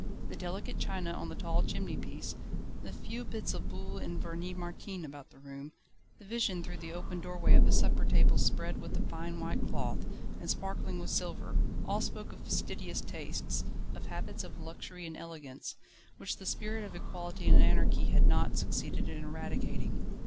The delicate china on the tall chimney piece, the few bits of Buhl and Vernis Martin about the room, the vision through the open doorway of the supper table spread with a fine white cloth, and sparkling with silver, all spoke of fastidious tastes, of habits of luxury and elegance, which the spirit of Equality and Anarchy had not succeeded in eradicating.